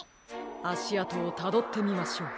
あしあとをたどってみましょう。